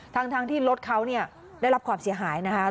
ทั้งที่รถเขาเนี่ยได้รับความเสียหายนะคะ